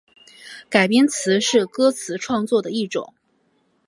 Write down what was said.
改编词是歌词创作的一种。